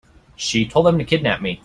She told them to kidnap me.